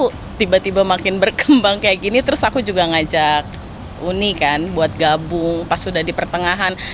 aku tiba tiba makin berkembang kayak gini terus aku juga ngajak uni kan buat gabung pas sudah di pertengahan